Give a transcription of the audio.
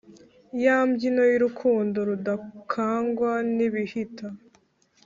Ya mbyino y’urukundo rudakangwa n’ibihita